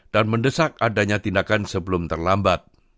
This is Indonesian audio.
dan mendesak adanya tindakan sebelum terlambat